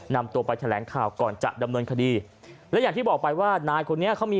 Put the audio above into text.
นำตัวไปแถลงข่าวก่อนจะดำเนินคดีและอย่างที่บอกไปว่านายคนนี้เขามี